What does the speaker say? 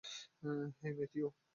হেই, Matthew.